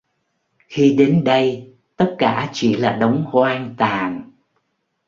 Khi đến đây tất cả chỉ là đống hoang tàn